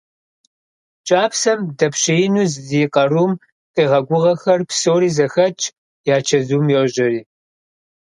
КӀапсэм дэпщеину зи къарум къигъэгугъэхэр псори зэхэтщ, я чэзум йожьэри.